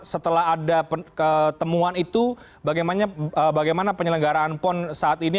setelah ada ketemuan itu bagaimana penyelenggaraan pon saat ini